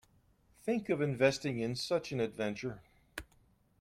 Think of investing in such an adventure.